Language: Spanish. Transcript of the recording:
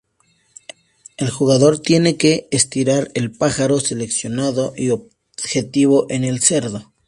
El jugador tiene que estirar el pájaro seleccionado y objetivo en el cerdo.